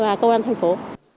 và công an thành phố